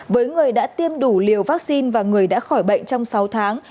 với người đã tiêm đủ liều vaccine và người đã khỏi bệnh trong sáu tháng